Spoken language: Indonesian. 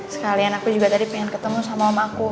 sekalian aku juga tadi pengen ketemu sama aku